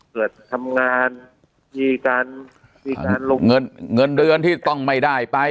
เกิดทำงานมีการเงินเดือนที่ต้องไม่ได้ไป